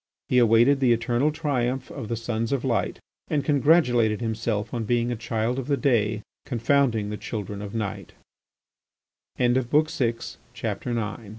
He awaited the eternal triumph of the Sons of Light and congratulated himself on being a Child of the Day confounding the Children of Night. X. MR.